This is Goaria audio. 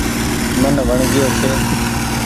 من وڻگيو ڇي۔